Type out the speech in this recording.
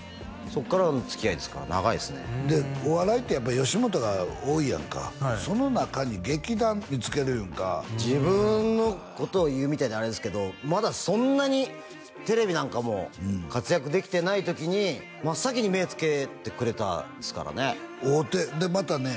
そこからのつきあいですから長いですねでお笑いってやっぱ吉本が多いやんかその中に劇団見つけるっていうのが自分のことを言うみたいであれですけどまだそんなにテレビなんかも活躍できてない時に真っ先に目つけてくれたんですからね会うてでまたね